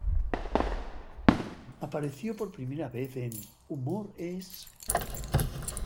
Apareció por primera vez en Humor es...